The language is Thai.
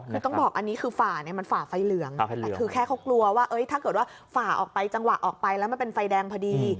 คือต้องบอกอันนี้คือฝ่าเนี่ยมันฝ่าไฟเหลืองแต่คือแค่เขากลัวว่าถ้าเกิดว่าฝ่าออกไปจังหวะออกไปแล้วมันเป็นไฟแดงพอดี